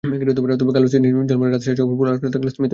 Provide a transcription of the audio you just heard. তবে কাল সিডনির ঝলমলে রাতে শেষ পর্যন্ত পুরো আলোটা থাকল স্মিথের ওপর।